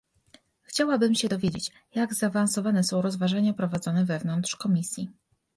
Chciałabym się dowiedzieć, jak zaawansowane są rozważania prowadzone wewnątrz Komisji